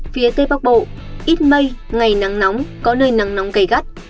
phía tây bắc bộ ít mây ngày nắng nóng có nơi nắng nóng gây gắt